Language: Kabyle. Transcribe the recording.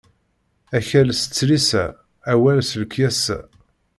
Akkal s tlisa, awal s lekyasa.